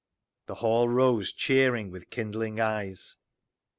The hall rose, cheering, with kindling eyes.